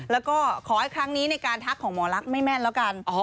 แล้วก็ขอให้ครั้งนี้ในการทักของหมอลักษณ์ไม่แม่นแล้วกัน